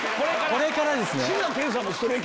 これからですね。